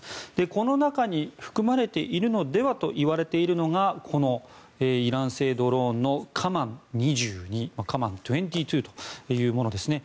この中に含まれているのではといわれているのがこのイラン製ドローンのカマン２２というものですね。